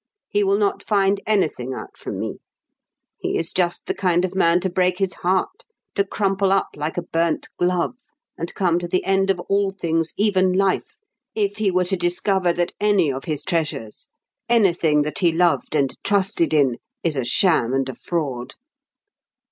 He will not find anything out from me. He is just the kind of man to break his heart, to crumple up like a burnt glove, and come to the end of all things, even life, if he were to discover that any of his treasures, anything that he loved and trusted in, is a sham and a fraud."